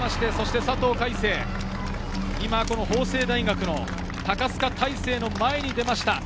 佐藤快成、法政大学の高須賀大勢の前に出ました。